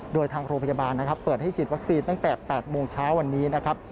โดยทางโรงพยาบาลนะครับเปิดให้ฉีดวัคซีนตั้งแต่๘โมงเช้าวันนี้นะครับ